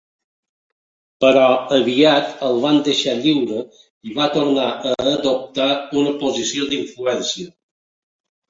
Però aviat el van deixar lliure i va tornar a adoptar una posició d'influència.